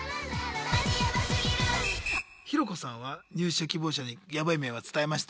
ヒロコさんは入社希望者にヤバい面は伝えました？